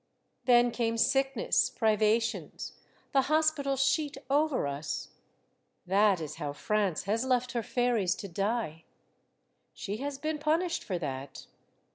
Then came sickness, privations, the hospital sheet over us. That is how France has left her fairies to die. She has been punished for that.